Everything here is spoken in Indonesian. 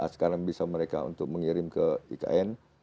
sekarang bisa mereka untuk mengirim ke ikn